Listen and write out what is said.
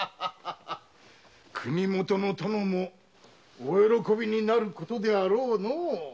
国許の殿もお喜びになることであろうのう。